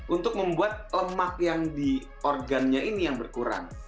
untuk membuat lemak yang di organnya ini yang berkurang